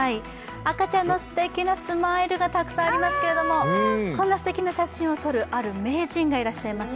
赤ちゃんのすてきなスマイルがたくさんありますけれどもこんな素敵な写真を撮るある名人がいらっしゃいます。